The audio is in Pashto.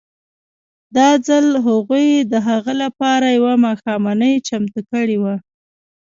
دا ځل هغوی د هغه لپاره یوه ماښامنۍ چمتو کړې وه